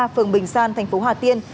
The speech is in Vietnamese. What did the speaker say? phường bình san thành phố hòa tiên